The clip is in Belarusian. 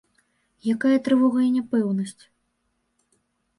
Якая трывога і няпэўнасць!